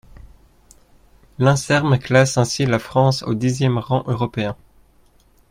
L’INSERM classe ainsi la France au dixième rang européen.